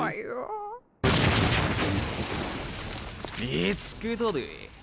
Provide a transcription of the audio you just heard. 見つけたでぇ。